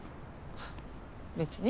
別に。